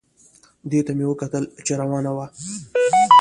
دې ته مې کتل چې روانه وه، په نظر مې ښه وه ایسېده.